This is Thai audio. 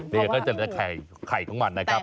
เดี๋ยวก็จะไข่ของมันนะครับ